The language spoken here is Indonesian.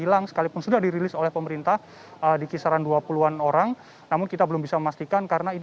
yang dikulis oleh pemerintah di kisaran dua puluh an orang namun kita belum bisa memastikan karena ini